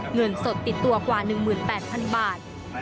เงินสดติดตัวกว่า๑๘๐๐๐บาท